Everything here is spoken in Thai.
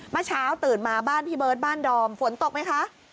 เมื่อเช้าตื่นมาบ้านพี่เบิร์ตบ้านดอมฝนตกไหมคะ